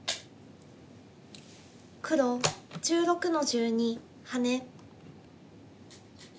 黒１６の十二ハネ。